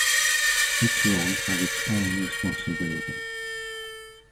Each role has its own responsibility.